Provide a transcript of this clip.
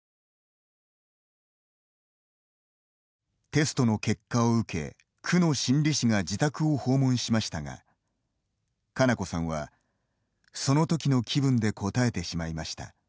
テストの結果を受け区の心理士が自宅を訪問しましたが佳菜子さんは、そのときの気分で答えてしまいました。